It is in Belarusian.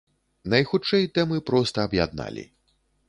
Найхутчэй, тэмы проста аб'ядналі.